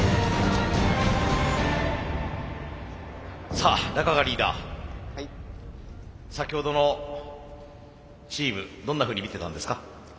さあ中川リーダー先ほどのチームどんなふうに見てたんですか？